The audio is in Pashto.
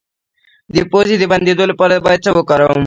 د پوزې د بندیدو لپاره باید څه وکاروم؟